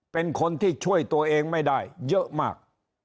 เป็นคนที่ช่วยตัวเองไม่ได้เยอะมาก